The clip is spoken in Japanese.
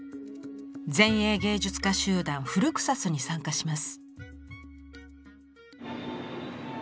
前衛芸術家集団「フルクサス」に参加します。